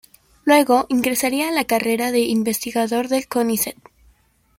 Luego ingresaría a la carrera de investigador del Conicet.